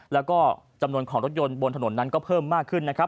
แล้วก็จำนวนของรถยนต์บนถนนนั้นก็เพิ่มมากขึ้นนะครับ